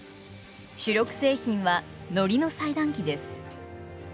主力製品はのりの裁断機です。